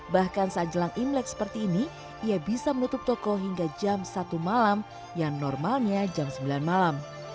bahkan saat jelang imlek seperti ini ia bisa menutup toko hingga jam satu malam yang normalnya jam sembilan malam